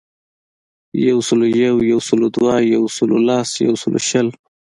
یوسلویو, یوسلودوه, یوسلولس, یوسلوشل